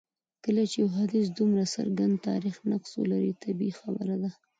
کله چي یو حدیث دومره څرګند تاریخي نقص ولري طبیعي خبره ده.